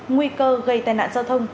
nguy cơ gây tai nạn giao thông